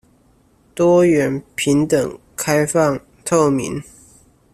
多元、平等、開放、透明